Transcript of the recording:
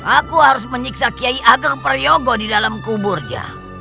aku harus menyiksa kiai ageng prayogo di dalam kuburnya